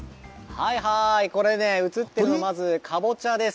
はいはい、これ映っているのはまず、かぼちゃです。